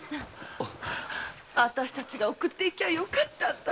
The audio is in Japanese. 私たちが送って行きゃよかったんだよ。